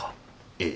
ええ。